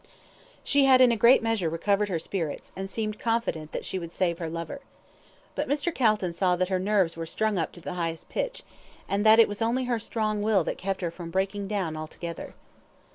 She had in a great measure recovered her spirits, and seemed confident that she would save her lover. But Mr. Calton saw that her nerves were strung up to the highest pitch, and that it was only her strong will that kept her from breaking down altogether.